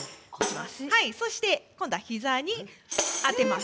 そして今度は膝に当てます。